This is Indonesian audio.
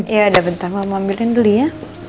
ya udah bentar mama ambilin dulu ya